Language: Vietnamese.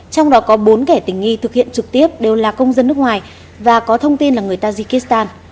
trong đó có bốn kẻ tình nghi thực hiện trực tiếp đều là công dân nước ngoài và có thông tin là người tajikistan